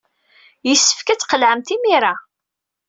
Yessefk ad tqelɛemt imir-a.